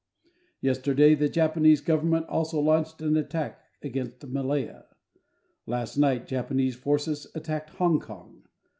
Yesterday, the Japanese government also launched an attack against Malaya. Last night, Japanese forces attacked Hong Kong.